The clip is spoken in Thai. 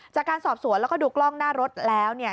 จากการสอบสวนแล้วก็ดูกล้องหน้ารถแล้วเนี่ย